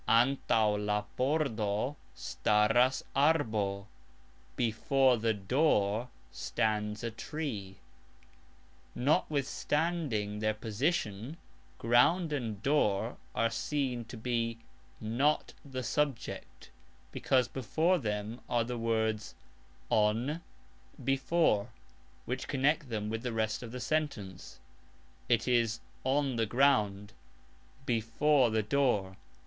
"Antaux la pordo" staras arbo, "Before the door" stands a tree. Notwithstanding their position, "ground" and "door" are seen to be not the subject, because before them are the words "on," "before," which connect them with the rest of the sentence it is "on the ground," "before the door."